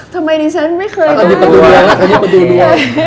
ทำไมดิฉันไม่เคยได้ค่ะค่ะค่ะดูดวง